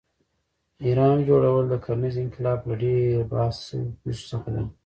اهرام جوړول د کرنیز انقلاب له ډېر بحث شوو پېښو څخه دی.